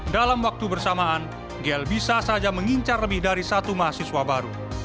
dalam waktu bersamaan gl bisa saja mengincar lebih dari satu mahasiswa baru